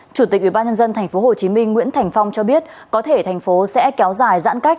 chủ tịch ubnd tp hcm nguyễn thành phong cho biết có thể thành phố sẽ kéo dài giãn cách